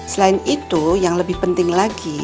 selain itu yang lebih penting lagi